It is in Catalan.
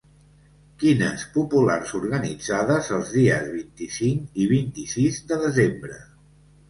Quines populars organitzades els dies vint-i-cinc i vint-i-sis de desembre.